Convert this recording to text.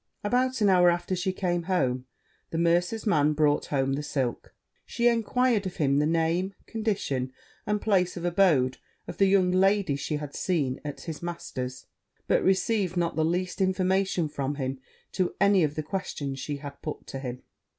About an hour after she came home, the mercer's man brought the silk: she enquired of him the name, condition, and place of abode, of the young lady she had seen at his master's; but received not the least information from him as to any of the questions she had put to him.